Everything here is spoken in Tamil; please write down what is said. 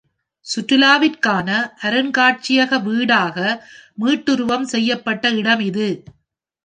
சுற்றுலாவிற்காக அருங்காட்சியக வீடாக மீட்டுருவம் செய்யப்பட்ட இடம் இது.